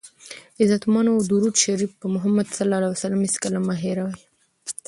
عزتمندو درود شریف په محمد ص هېڅکله مه هیروئ!